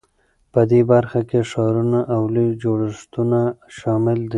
په دې برخه کې ښارونه او لوی جوړښتونه شامل دي.